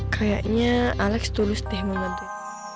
kayaknya alex tulus deh menurut gue